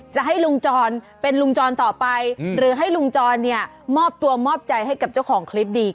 จะให้ลุงจรเป็นลุงจรต่อไปหรือให้ลุงจรเนี่ยมอบตัวมอบใจให้กับเจ้าของคลิปดี